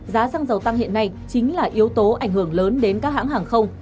giá xăng dầu tăng hiện nay chính là yếu tố ảnh hưởng lớn đến các hãng hàng không